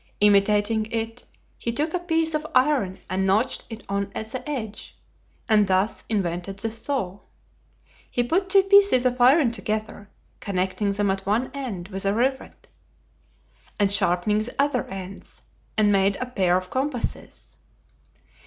Imitating it, he took a piece of iron and notched it on the edge, and thus invented the SAW. He put two pieces of iron together, connecting them at one end with a rivet, and sharpening the other ends, and made a PAIR OF COMPASSES.